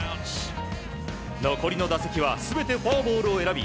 残りの打席は全てフォアボールを選び